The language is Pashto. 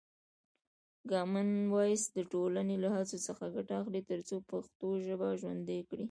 کامن وایس د ټولنې له هڅو څخه ګټه اخلي ترڅو پښتو ژبه ژوندۍ کړي.